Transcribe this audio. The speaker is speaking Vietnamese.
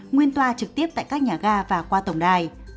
nguyên toa trực tiếp tại các nhà ga và qua tổng đài